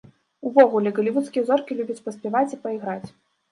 Увогуле, галівудскія зоркі любяць паспяваць і пайграць.